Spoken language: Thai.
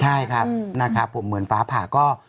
ใช่ครับนะครับผมเหมือนฟ้าผ่าก็